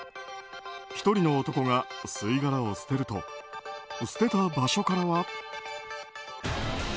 １人の男が吸い殻を捨てると捨てた場所からは。